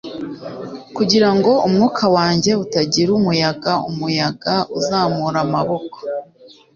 kugira ngo umwuka wanjye utagira umuyaga umuyaga uzamura amaboko